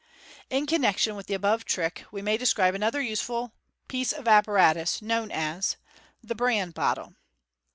In connection with the above trick we may de^cribe another useful piece of apparatus, known as The Bran Bottle.